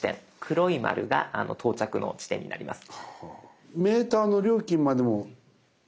黒い丸が到着の地点になります。